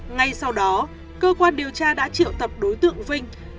ngay sau đó cơ quan điều tra đã triệu tập đối tượng vinh